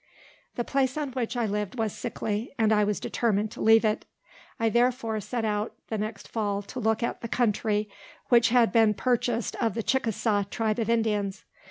The place on which I lived was sickly, and I was determined to leave it. I therefore set out the next fall to look at the country which had been purchased of the Chickasaw tribe of Indians.